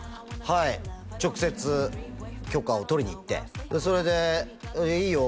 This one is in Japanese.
はい直接許可を取りにいってそれで「いいよ」